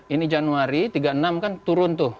ini januari tiga puluh enam kan turun tuh